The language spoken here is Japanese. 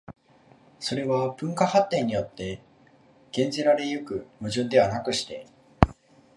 それは文化発展によって減ぜられ行く矛盾ではなくして、